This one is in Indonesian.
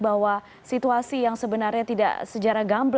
bahwa situasi yang sebenarnya tidak sejarah gambel